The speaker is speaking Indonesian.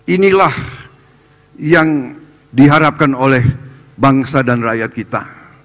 inilah yang diharapkan oleh bangsa dan rakyat kita